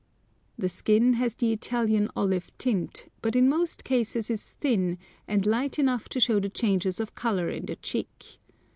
The skin has the Italian olive tint, but in most cases is thin, and light enough to show the changes of colour in the cheek.